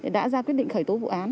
đã ra quyết định khởi tố vụ án